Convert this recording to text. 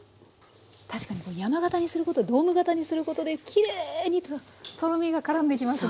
確かにこう山形にすることドーム形にすることできれいにとろみが絡んでいきますね。